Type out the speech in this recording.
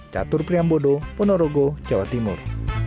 catur priambodo ponorogo jawa timur